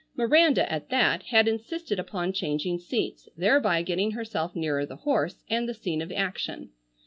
Miranda, at that, had insisted upon changing seats, thereby getting herself nearer the horse, and the scene of action.